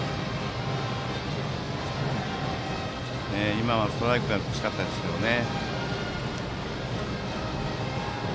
今は、ストライクが欲しかったですけどね。